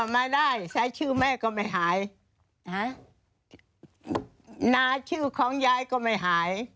ไม่ได้ใช้ชื่อแม่ก็ไม่หายนาชื่อของยายก็ไม่หาย